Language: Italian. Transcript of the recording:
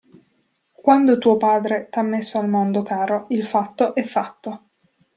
Quando tuo padre t'ha messo al mondo, caro, il fatto è fatto.